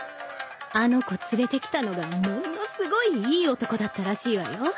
あの子連れてきたのがものすごいいい男だったらしいわよ。